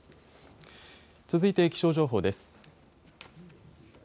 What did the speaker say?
続いて気象情報です。